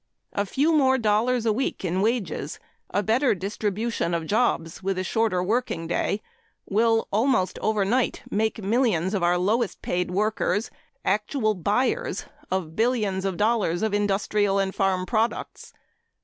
A few more dollars a week in wages, a better distribution of jobs with a shorter working day will almost overnight make millions of our lowest paid workers actual buyers of billions of dollars of industrial and farm products.